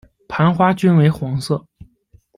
盘花均为黄色。